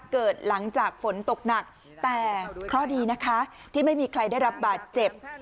เกิดหลังจากฝนตกหนักแต่เคราะห์ดีนะคะที่ไม่มีใครได้รับบาดเจ็บ